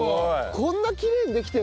こんなきれいにできてるの？